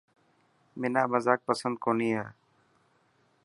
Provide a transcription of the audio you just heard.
منا مزاڪ پسند ڪونه هي.